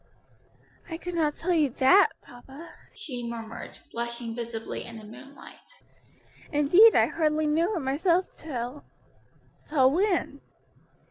"I could not tell you that, papa," she murmured, blushing visibly in the moonlight. "Indeed, I hardly knew it myself till " "Till when?"